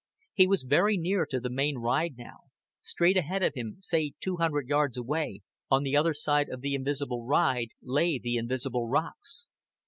He was very near to the main ride now; straight ahead of him, say two hundred yards away, on the other side of the invisible ride lay the invisible rocks.